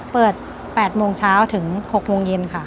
เปิด๘โมงเช้าถึง๖โมงเย็นค่ะ